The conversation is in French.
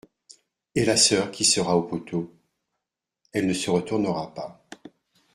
Et la soeur qui sera au poteau ? Elle ne se retournera pas.